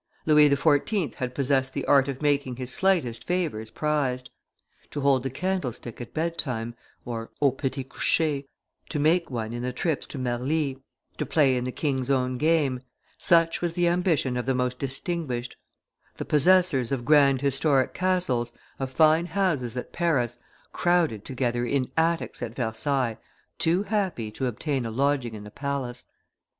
Louis XIV. had possessed the art of making his slightest favors prized; to hold the candlestick at bedtime (au petit coucher), to make one in the trips to Marly, to play in the king's own game, such was the ambition of the most distinguished; the possessors of grand historic castles, of fine houses at Paris, crowded together in attics at Versailles, too happy to obtain a lodging in the palace.